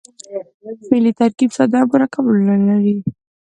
فعلي ترکیب ساده او مرکب ډولونه لري.